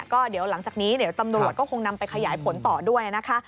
ก็เดี๋ยวหลังจากนี้เดี๋ยวตำรวจก็คงนำไปขยายผลต่อด้วยนะคะ